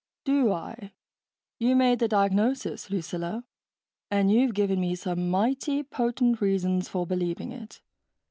"Do I? You made the diagnosis, Lucilla, and you've given me some mighty potent reasons for believing it